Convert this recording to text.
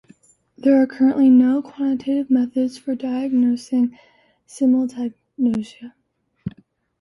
There are currently no quantitative methods for diagnosing simultanagnosia.